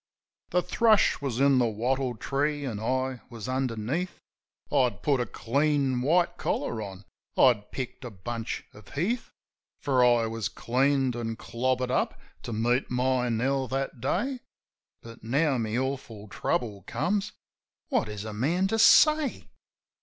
The thrush was in the wattle tree, an' I was underneath. I'd put a clean white collar on, I'd picked a bunch of heath; For I was cleaned an' clobbered up to meet my Nell that day. But now my awful trouble comes: What is a man to say?